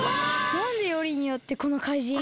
なんでよりによってこのかいじん？